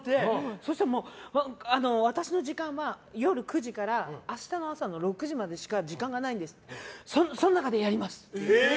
そして、私の時間は夜９時から明日の朝の６時までしか時間がないんですって言ったらその中でやります！って。